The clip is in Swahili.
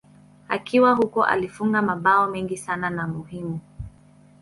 Akiwa huko alifunga mabao mengi sana na muhimu.